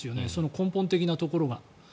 根本的なところが。